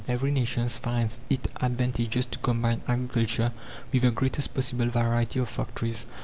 Every nation finds it advantageous to combine agriculture with the greatest possible variety of factories.